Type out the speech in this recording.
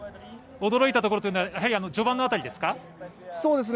驚いたところというのはやはり序盤の辺りですか。